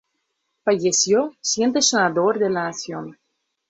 Falleció siendo Senador de la Nación.